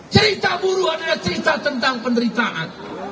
cerita buruh adalah cerita tentang penderitaan